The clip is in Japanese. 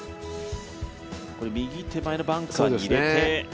これ右手前のバンカーに入れて。